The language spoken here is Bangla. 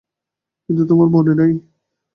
কিন্তু তোমার মনে নেই?